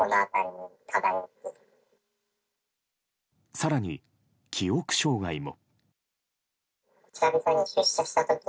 更に、記憶障害も。